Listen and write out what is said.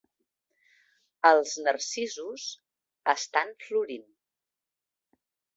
Els narcisos estan florint.